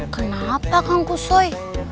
kenapa kang kusoy